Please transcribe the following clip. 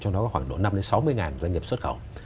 trong đó có khoảng độ năm sáu mươi doanh nghiệp xuất khẩu